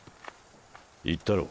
言ったろ？